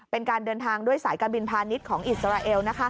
เป็นการเดินทางด้วยสายการบินพาณิชย์ของอิสราเอล